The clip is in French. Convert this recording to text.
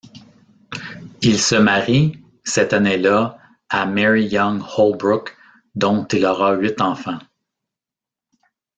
Il se marie, cette année-là, à Mary Young Holbrook dont il aura huit enfants.